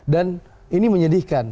dan ini menyedihkan